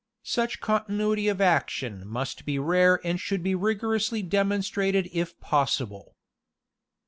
Such continuity of action must be rare and should be rigorously demonstrated if possible.